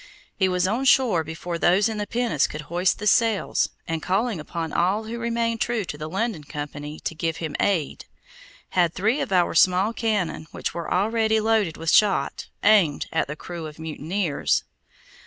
He was on shore before those in the pinnace could hoist the sails, and, calling upon all who remained true to the London Company to give him aid, had three of our small cannon, which were already loaded with shot, aimed at the crew of mutineers.